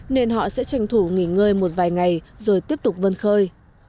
nên họ sẽ tranh thủ nghỉ ngơi một vài ngày rồi tiếp tục vân khơi